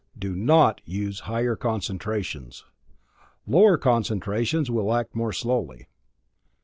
Do NOT use higher concentrations. Lower concentrations will act more slowly.